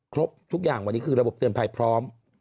ทุกอย่างวันนี้คือระบบเตือนภัยพร้อม